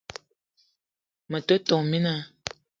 Me te , tόn mina